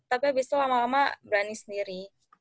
tapi abis itu lama lama berani sendiri